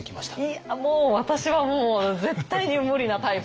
いやもう私はもう絶対に無理なタイプで。